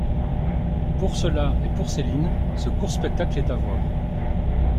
Pour cela, et pour Céline, ce court spectacle est à voir.